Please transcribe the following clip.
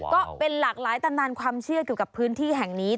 ก็เป็นหลากหลายตำนานความเชื่อเกี่ยวกับพื้นที่แห่งนี้